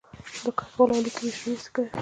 د کډوالو عالي کمیشنري څه کوي؟